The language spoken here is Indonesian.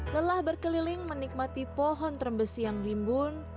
lelah berkeliling menikmati pohon terbesi yang rimbun